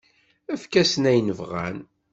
Efk-asen ayen bɣan.